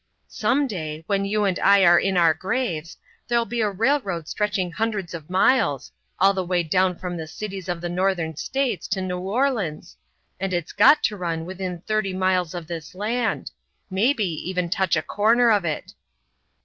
Some day, when you and I are in our graves, there'll be a railroad stretching hundreds of miles all the way down from the cities of the Northern States to New Orleans and its got to run within thirty miles of this land may be even touch a corner of it.